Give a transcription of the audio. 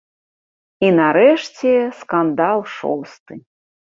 І, нарэшце, скандал шосты.